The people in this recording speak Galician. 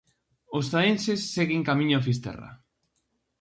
Os zaenses seguen camiño a Fisterra.